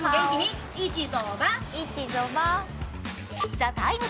「ＴＨＥＴＩＭＥ，」